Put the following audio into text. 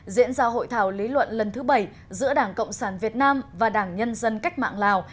diễn ra hội thảo lý luận lần thứ bảy giữa đảng cộng sản việt nam và đảng nhân dân cách mạng lào